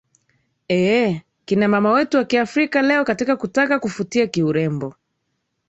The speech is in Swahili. eeh kina mama wetu wa kiafrika leo katika kutaka kufutia kiurembo